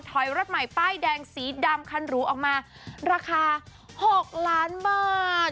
ถอยรถใหม่ป้ายแดงสีดำคันหรูออกมาราคา๖ล้านบาท